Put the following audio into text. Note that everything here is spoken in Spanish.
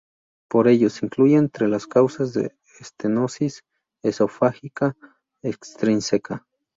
Por ello, se incluyen entre las causas de estenosis esofágica extrínseca..